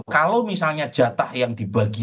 kalau misalnya jatah yang dibagi